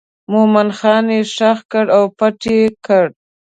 مومن خان یې ښخ کړ او پټ یې کړ.